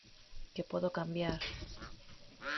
que puedo cambiar.